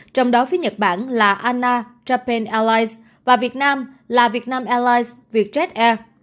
trong đó phía nhật bản là ana japan airlines và việt nam là vietnam airlines vietjet air